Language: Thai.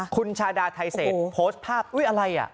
คุณชาดาไทเศษโพสต์ภาพอุ๊ยอะไรอ่ะ